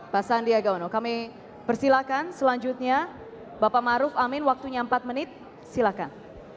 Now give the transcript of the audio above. pasandia gaono kami persilahkan selanjutnya bapak maruf amin waktunya empat menit silakan